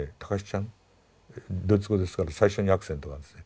ちゃんドイツ語ですから最初にアクセントがあるんですね。